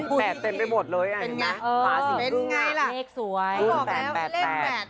อุ๊ยแปดเต็มไปหมดเลยอ่ะเป็นยังไงเป็นยังไงล่ะไม่บอกแล้วเล่นแปด